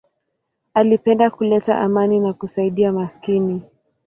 Alipenda kuleta amani na kusaidia maskini.